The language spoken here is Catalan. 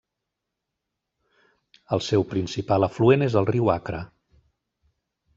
El seu principal afluent és el riu Acre.